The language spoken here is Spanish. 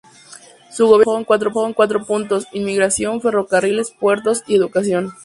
Su gobierno se basó en cuatro puntos: inmigración, ferrocarriles, puertos y educación.